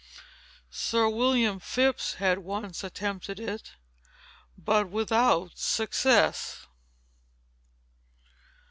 Sir William Phips had once attempted it, but without success.